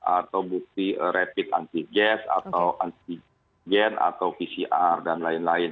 atau bukti rapid anti gas atau anti gen atau pcr dan lain lain